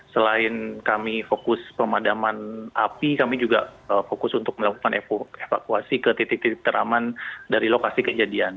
selain kami fokus pemadaman api kami juga fokus untuk melakukan evakuasi ke titik titik teraman dari lokasi kejadian